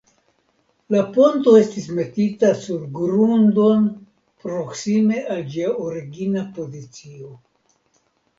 La ponto estis metita sur grundon proksime al ĝia origina pozicio.